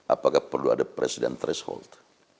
apakah perlu ada presiden threshold